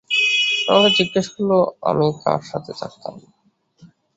আর আমাকে জিজ্ঞাসা করল আমি কার সাথে থাকতাম।